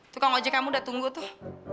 tukang ojek kamu udah tunggu tuh